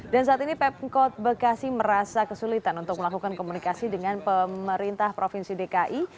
dan saat ini pemkot bekasi merasa kesulitan untuk melakukan komunikasi dengan pemerintah provinsi dki